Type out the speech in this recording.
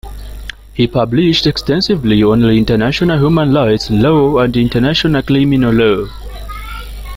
He published extensively on international human rights law and international criminal law.